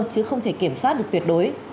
chứ không thể kiểm soát được tuyệt đối